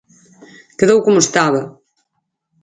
Quedou como estaba.